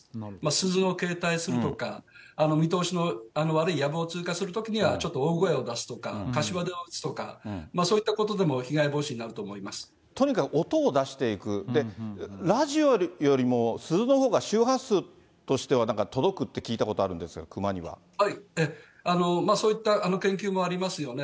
鈴を携帯するとか、見通しの悪いやぶを通過するときには、ちょっと大声を出すとか、かしわ手を打つとか、そういったことでも被害防止になると思いまとにかく音を出していく、ラジオよりも鈴のほうが周波数としては届くって聞いたことがあるそういった研究もありますよね。